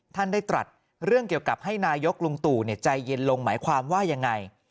ท่านได้ตรัสเรื่องเกี่ยวกับให้นายกลุงตู่ใจเย็นลงหมายความว่ายังไง